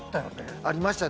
ありましたね。